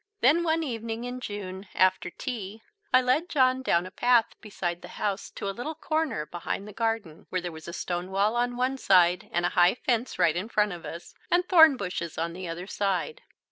Then one evening in June after tea I led John down a path beside the house to a little corner behind the garden where there was a stone wall on one side and a high fence right in front of us, and thorn bushes on the other side.